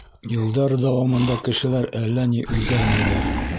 Йылдар дауамында кешеләр әллә ни үҙгәрмәйҙәр.